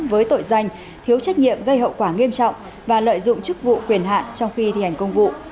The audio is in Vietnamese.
với tội danh thiếu trách nhiệm gây hậu quả nghiêm trọng và lợi dụng chức vụ quyền hạn trong khi thi hành công vụ